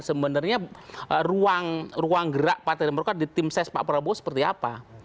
sebenarnya ruang gerak partai demokrat di tim ses pak prabowo seperti apa